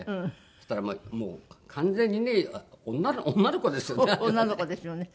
そしたらもう完全にね女の子ですよねあれね。